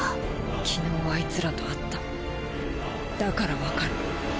昨日アイツらと会っただからわかる。